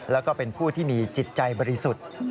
แล้วก็เป็นผู้ที่มีจิตใจบริสุทธิ์